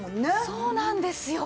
そうなんですよ。